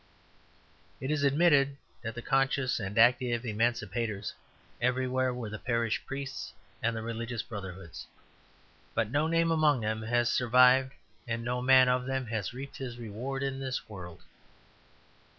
It is admitted that the conscious and active emancipators everywhere were the parish priests and the religious brotherhoods; but no name among them has survived and no man of them has reaped his reward in this world.